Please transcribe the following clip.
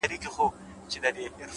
اراده د ستونزو دروازې پرانیزي،